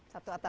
satu atap ya